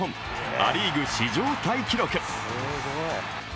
ア・リーグ史上タイ記録。